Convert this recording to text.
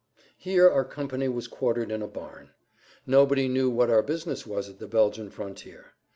Here our company was quartered in a barn. Nobody knew what our business was at the Belgian frontier.